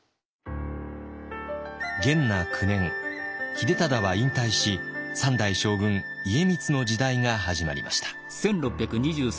秀忠は引退し三代将軍家光の時代が始まりました。